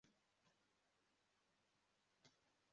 Itsinda ryerekana ibitabo bakiriye mubirori